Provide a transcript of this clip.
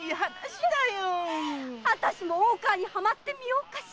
私も大川にはまってみようかしら？